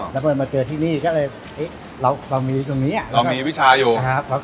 แล้วพอมาเจอที่นี่ก็เลยเรามีตรงนี้เรามีวิชาอยู่นะครับ